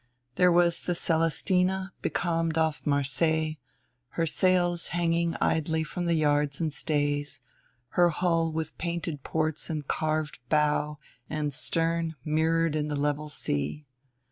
There was the Celestina becalmed off Marseilles, her sails hanging idly from the yards and stays, her hull with painted ports and carved bow and stern mirrored in the level sea.